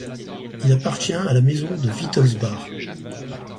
Il appartient à la maison de Wittelsbach.